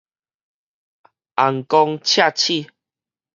紅光赤刺